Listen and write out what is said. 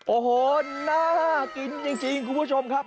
โอ้โหน่ากินจริงคุณผู้ชมครับ